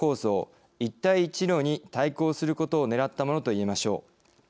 一帯一路に対抗することをねらったものといえましょう。